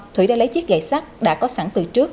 thủy đã lấy chiếc gậy sắt đã có sẵn từ trước